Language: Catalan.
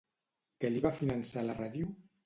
Què li va finançar la ràdio?